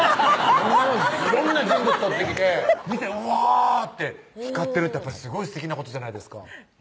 そんなもん色んな人物撮ってきて見て「うわ！」って光ってるってやっぱりすごいすてきなことじゃないですか